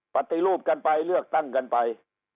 ปฏิรูปกันไปเลือกตั้งกันไป